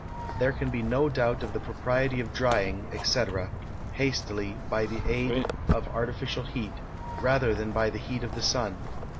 There can be no doubt of the propriety of drying, &c., hastily by the aid of artificial heat, rather than by the heat of the sun.